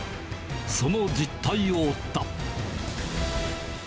その実態を追った。